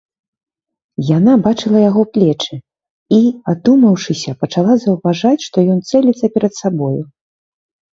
Яна бачыла яго плечы і, адумаўшыся, пачала заўважаць, што ён цэліцца перад сабою.